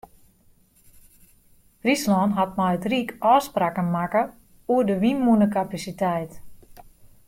Fryslân hat mei it ryk ôfspraken makke oer de wynmûnekapasiteit.